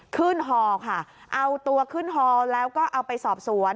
ฮอค่ะเอาตัวขึ้นฮอแล้วก็เอาไปสอบสวน